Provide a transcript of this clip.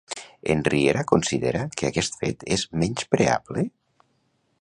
En Riera considera que aquest fet és menyspreable?